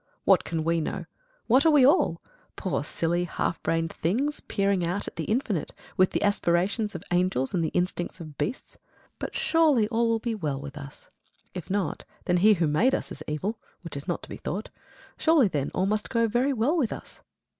What can we know? What are we all? Poor silly half brained things peering out at the infinite, with the aspirations of angels and the instincts of beasts. But surely all will be well with us. If not, then He who made us is evil, which is not to be thought. Surely, then, all must go very well with us!